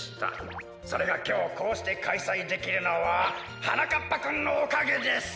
それがきょうこうしてかいさいできるのははなかっぱくんのおかげです！